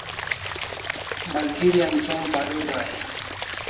Malgeri an som pariu dai e?